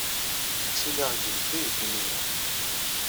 Ttiliɣ deg Bgayet imir-a.